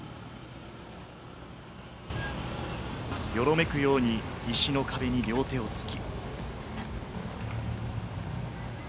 よろめくように石の壁に両手をつき。